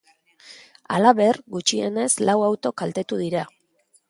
Halaber, gutxienez lau auto kaltetu dira.